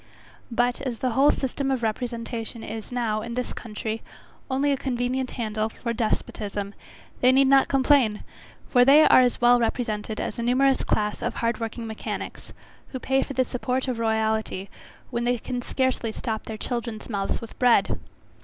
But, as the whole system of representation is now, in this country, only a convenient handle for despotism, they need not complain, for they are as well represented as a numerous class of hard working mechanics, who pay for the support of royality when they can scarcely stop their children's mouths with bread.